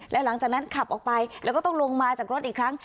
แล้วหลังจากนั้นขับออกไปแล้วก็ต้องลงมาจากรถอีกครั้ง